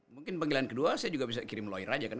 mungkin panggilan kedua saya juga bisa kirim lawyer aja kan